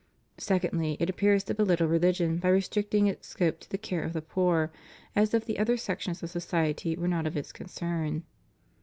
Secondly, it appears to belittle religion by restricting its scope to the care of the poor, as if the other sections of society were not of its concern.